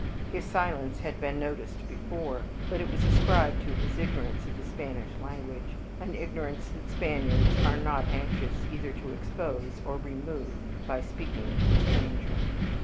His silence had been noticed before, but it was ascribed to his ignorance of the Spanish language, an ignorance that Spaniards are not anxious either to expose or remove by speaking to a stranger.